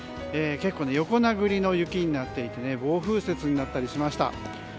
結構、横殴りの雪になっていて暴風雪になったりしました。